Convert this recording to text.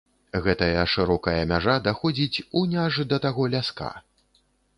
Гэтая шырокая мяжа даходзіць унь аж да таго ляска.